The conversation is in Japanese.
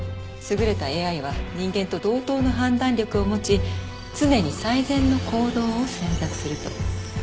優れたＡＩは人間と同等の判断力を持ち常に最善の行動を選択すると。